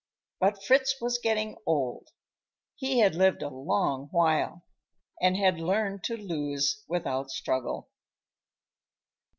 But Fritz was getting old; he had lived a long while and had learned to lose without struggle.